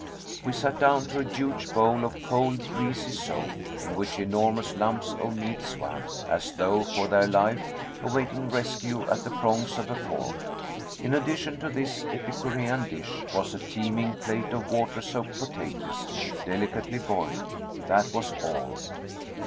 We sat down to a huge bowl of cold, greasy soup, in which enormous lumps of meat swam, as though for their life, awaiting rescue at the prongs of a fork. In addition to this epicurean dish was a teeming plate of water soaked potatoes, delicately boiled. That was all.